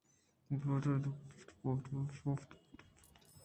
قلاتءِ دپ ءِ اوشتگءُدست ءِ شہارگ پِہیلّی لوٹگ ءَ ہچ کار نہ بیت